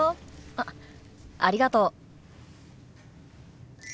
あっありがとう。